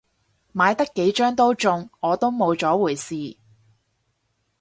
買得幾張都中，我都冇咗回事